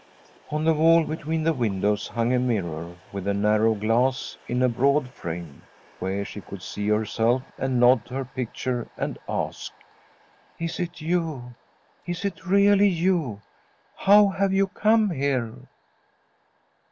On the wall between the windows hung a mir ror, with a narrow glass in a broad frame, where she could see herself, and nod to her picture, and ask: ' Is it you ? Is it really you ? How have you come here